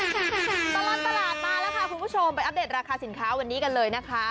ตลอดตลาดมาแล้วค่ะคุณผู้ชมไปอัปเดตราคาสินค้าวันนี้กันเลยนะคะ